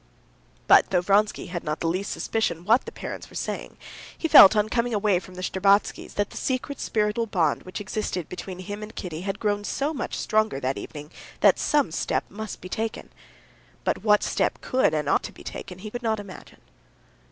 But though Vronsky had not the least suspicion what the parents were saying, he felt on coming away from the Shtcherbatskys' that the secret spiritual bond which existed between him and Kitty had grown so much stronger that evening that some step must be taken. But what step could and ought to be taken he could not imagine.